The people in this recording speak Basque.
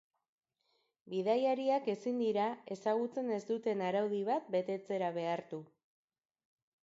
Bidaiariak ezin dira ezagutzen ez duten araudi bat betetzera behartu.